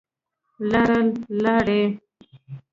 لاړه, لاړې